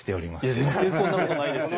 全然そんなことないですよ。